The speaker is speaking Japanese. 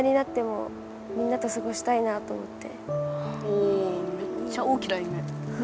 おめっちゃ大きなゆめ。